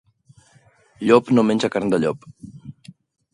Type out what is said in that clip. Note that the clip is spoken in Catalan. Llop no menja carn de llop.